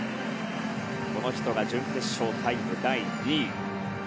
この人が準決勝タイム第２位。